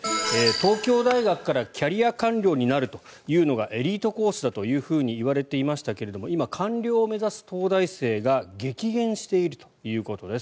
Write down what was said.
東京大学からキャリア官僚になるというのがエリートコースだといわれていましたけれども今、官僚を目指す東大生が激減しているということです。